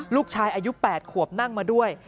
ลูกชายอายุ๘ขวบนั่งมาด้วย